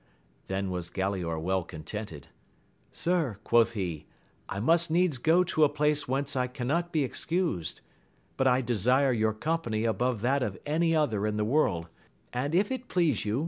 Then was Galaor well contented; Sir, quoth he, I must needs go to a place whence I cannot be excused; but I desire your company above that of any other in the warldf and if it please jou \.